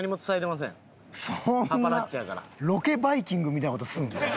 そんなロケバイキングみたいな事すんの？